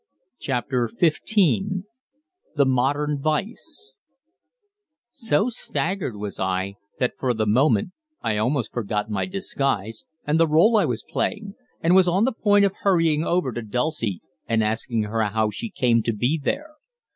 CHAPTER XV THE MODERN VICE So staggered was I that for the moment I almost forgot my disguise, and the rôle I was playing, and was on the point of hurrying over to Dulcie and asking her how she came to be there.